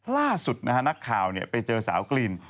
ล่าสุดนะฮะนักข่าวไปเจอสาวกรีน